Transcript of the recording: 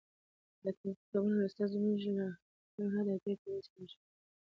د تاریخي کتابونو لوستل موږ له خپل تیر او تمدن سره نښلوي.